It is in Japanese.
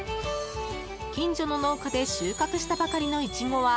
近所の農家で収穫したばかりのイチゴは